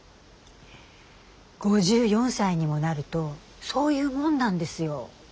５４歳にもなるとそういうもんなんですよ。